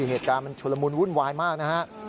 เหตุการณ์มันชุลมุนวุ่นวายมากนะฮะ